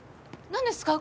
何ですか？